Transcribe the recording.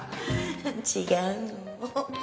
違うの？